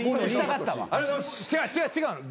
違う違う違うの。